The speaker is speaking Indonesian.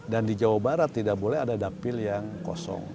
dan di jawa barat tidak boleh ada dapil yang kosong